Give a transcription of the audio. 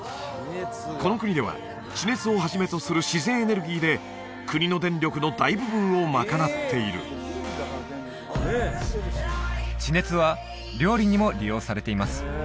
この国では地熱をはじめとする自然エネルギーで国の電力の大部分を賄っている地熱は料理にも利用されています